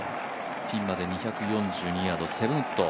ピンまで２４２ヤード、７ウッド